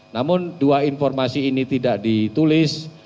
namun dua informasi ini tidak ditulis